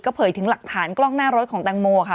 เผยถึงหลักฐานกล้องหน้ารถของแตงโมค่ะ